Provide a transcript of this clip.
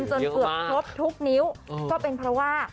จนเกือบครบทุกนิ้วก็เป็นเพราะว่า